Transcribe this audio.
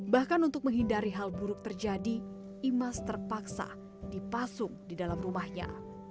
bahkan untuk menghindari hal buruk terjadi imas terpaksa dipasung di dalam rumahnya